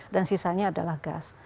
dan sisanya adalah gas